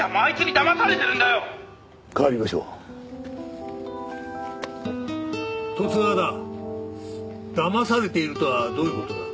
だまされているとはどういう事だ？